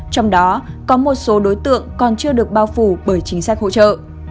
trong đó có một số đối tượng còn chưa được bao phủ bởi chính sách hỗ trợ